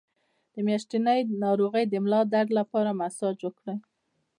د میاشتنۍ ناروغۍ د ملا درد لپاره مساج وکړئ